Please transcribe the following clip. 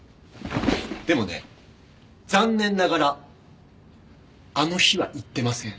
でもね残念ながらあの日は行ってません。